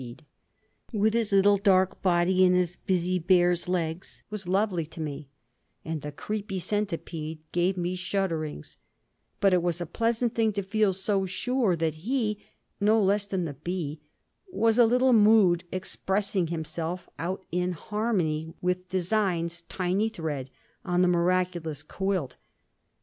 The wild bee, with his little dark body and his busy bear's legs, was lovely to me, and the creepy centipede gave me shudderings; but it was a pleasant thing to feel so sure that he, no less than the bee, was a little mood expressing himself out in harmony with Designs tiny thread on the miraculous quilt.